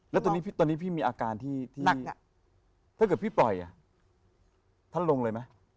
แล้วตอนนี้พี่มีอาการที่ถ้าเกิดพี่ปล่อยท่านลงเลยไหม